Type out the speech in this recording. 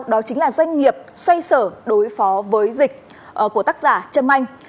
đó chính là doanh nghiệp xoay sở đối phó với dịch của tác giả trâm anh